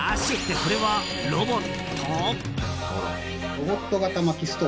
これはロボット？